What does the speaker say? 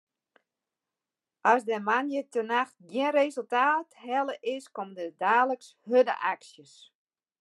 As der moandeitenacht gjin resultaat helle is, komme der daliks hurde aksjes.